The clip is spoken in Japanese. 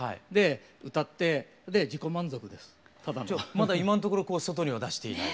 まだ今んところ外には出していない。